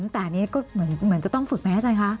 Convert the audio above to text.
แต่อันนี้ก็เหมือนจะต้องฝึกไหมอาจารย์คะ